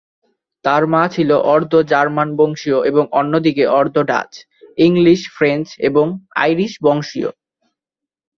তার মা ছিল অর্ধ জার্মান বংশীয় এবং অন্যদিকে অর্ধ ডাচ, ইংলিশ, ফ্রেঞ্চ এবং আইরিশ বংশীয়।